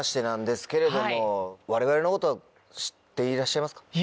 なんですけれども我々のことは知っていらっしゃいますか？